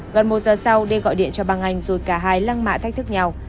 gần một giờ sau đê gọi điện cho băng anh rồi cả hai lăng mạ thách thức nhau